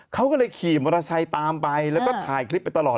เขาก็เลยขี่มรชัยตามไปแล้วก็ถ่ายคลิปไปตลอด